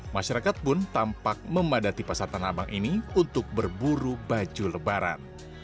masyarakat pun tampak memadati pasar tanah abang ini untuk berburu baju lebaran